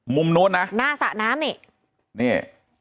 มุมนู้นนะหน้าสระน้ำนี่นี่